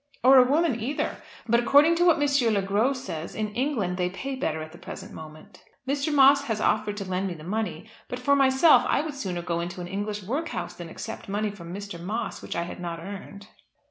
"Or a woman either. But according to what M. Le Gros says, in England they pay better at the present moment. Mr. Moss has offered to lend me the money; but for myself I would sooner go into an English workhouse than accept money from Mr. Moss which I had not earned."